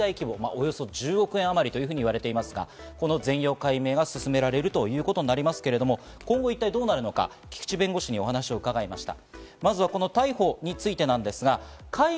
およそ１０億円あまりと言われていますが、この全容解明が進められるということになりますけれども、今後一体どうなるのか、菊地弁護士に話を伺いました。